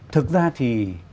thực ra thì